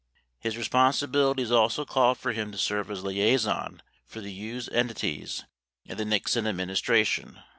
21 His responsibilities also called for him to serve as liaison for the Hughes entities and the Nixon administration.